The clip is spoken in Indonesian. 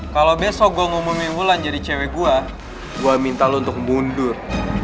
kalo besok gue ngumumin wulan jadi cewek gue gue minta lo untuk mundur